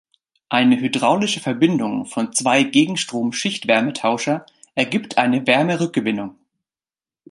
Eine hydraulische Verbindung von zwei Gegenstrom-Schichtwärmetauscher ergibt eine Wärmerückgewinnung.